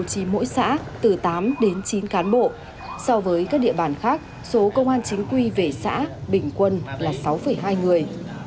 chí mỗi xã từ tám đến chín cán bộ so với các địa bàn khác số công an chính quy về xã bình quân là sáu hai người